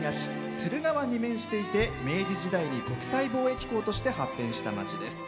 敦賀湾に面していて明治時代に国際貿易港として発展した町です。